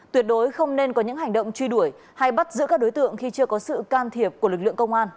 tuyệt đối không nên có những hành động truy đuổi hay bắt giữ các đối tượng khi chưa có sự can thiệp của lực lượng công an